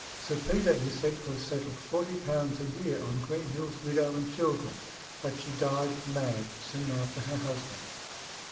Sir Peter is said to have settled £40 a year on Greenhill's widow and children, but she died mad soon after her husband.